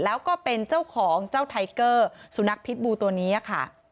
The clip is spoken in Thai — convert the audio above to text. แล้วก็เป็นเจ้าของเจ้าไทเกอร์สุนัขพิษบูตัวนี้ค่ะ